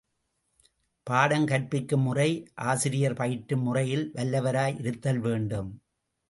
பாடம் கற்பிக்கும் முறை ஆசிரியர் பயிற்றும் முறையில் வல்லவராய் இருத்தல் வேண்டும்.